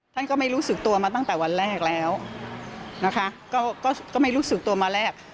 ท่านก็ไม่รู้สึกตัวมาตั้งแต่วันแรกแล้วนะคะก็ไม่รู้สึกตัวมาแรก